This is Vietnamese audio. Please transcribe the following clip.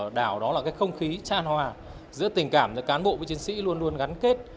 đảo đó là cái không khí tràn hòa giữa tình cảm giữa cán bộ với chiến sĩ luôn luôn gắn kết